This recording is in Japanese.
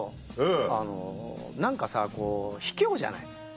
あの何かさこうひきょうじゃない。